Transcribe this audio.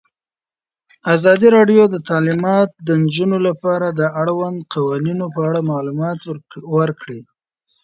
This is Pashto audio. ازادي راډیو د تعلیمات د نجونو لپاره د اړونده قوانینو په اړه معلومات ورکړي.